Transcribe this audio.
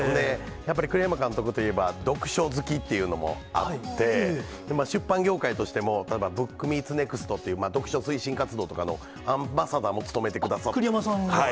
やっぱり栗山監督といえば、読書好きっていうのもあって、出版業界としても、ブックミーツネクストとという、読書推進活動とかのアンバサダー栗山さんが。